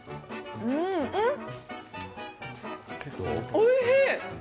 おいしい！